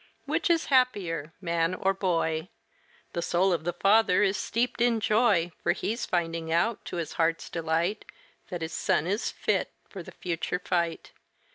Which is happier, man or boy? The soul of the father is steeped in joy, For he's finding out, to his heart's delight, That his son is fit for the future fight.